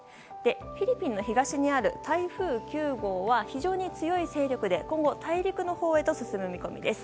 フィリピンの東にある台風９号は非常に強い勢力で今後、大陸のほうへと進む見込みです。